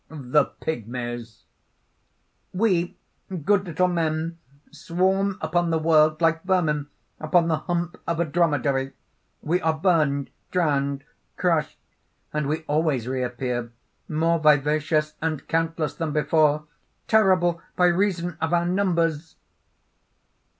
THE PYGMIES: "We, good little men, swarm upon the world like vermin upon the hump of a dromedary. "We are burned, drowned, crushed; and we always reappear, more vivacious and countless than before terrible by reason of our numbers!"